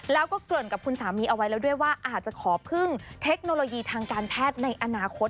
แล้วก็เกริ่นกับคุณสามีเอาไว้แล้วด้วยว่าอาจจะขอพึ่งเทคโนโลยีทางการแพทย์ในอนาคต